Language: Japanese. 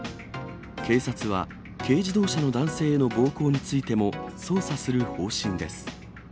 警察は、軽自動車の男性への暴行についても捜査する方針です。